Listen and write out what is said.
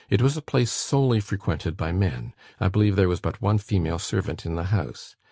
It was a place solely frequented by men; I believe there was but one female servant in the house.